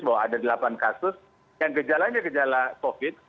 bahwa ada delapan kasus yang gejalanya gejala covid